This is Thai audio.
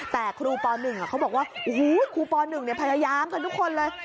แต่ครูป๑เขาบอกว่าโอ้โหครูป๑พยายามกันทุกคนเลย